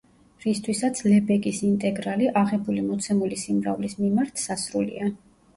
რისთვისაც ლებეგის ინტეგრალი, აღებული მოცემული სიმრავლის მიმართ, სასრულია.